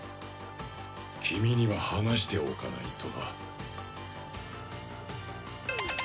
君には話しておかないとな。